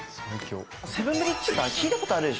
セブンブリッジさ聞いたことあるでしょ？